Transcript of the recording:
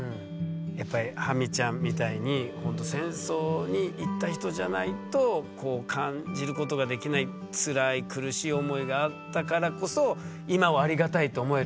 やっぱりハミちゃんみたいにほんと戦争に行った人じゃないとこう感じることができないつらい苦しい思いがあったからこそ今をありがたいと思えるっていうね。